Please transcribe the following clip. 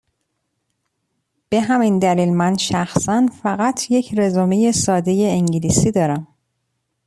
به همین دلیل من شخصا فقط یک رزومه ساده انگلیسی دارم.